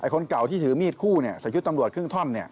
คนเก่าที่ถือมีดคู่ใส่ชุดตำรวจครึ่งท่อม